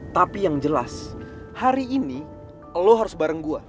tapi yang jelas hari ini lo harus bareng gua